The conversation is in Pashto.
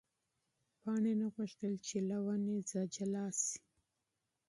پاڼې نه غوښتل چې له ونې وشلېږي.